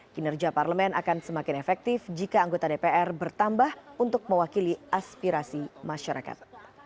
kinerja parlemen akan semakin efektif jika anggota dpr bertambah untuk mewakili aspirasi masyarakat